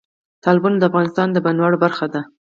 تالابونه د افغانستان د بڼوالۍ برخه ده.